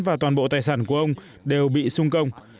và toàn bộ tài sản của ông đều bị sung công